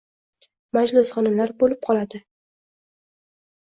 majlisxonalar bo‘lib qoladi.